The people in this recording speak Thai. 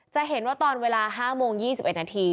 จะเห็นว่าตอนเวลาห้าโมงยี่สิบเอ็ดนาที